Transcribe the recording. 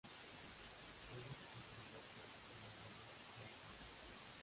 Fue distribuida por United Artists.